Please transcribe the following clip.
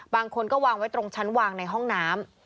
บางคนก็วางไว้ตรงชั้นวางในห้องน้ำ